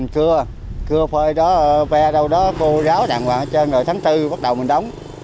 chưa phơi đó ve đâu đó cô giáo đặn vào hết trơn rồi tháng bốn bắt đầu mình đóng